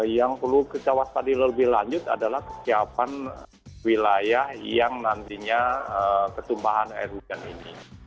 yang perlu kita waspadi lebih lanjut adalah kesiapan wilayah yang nantinya ketumpahan air hujan ini